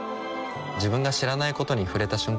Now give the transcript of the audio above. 自分が知らないことに触れた瞬間